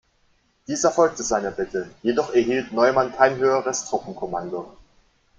Dieser folgte seiner Bitte, jedoch erhielt Neumann kein höheres Truppenkommando.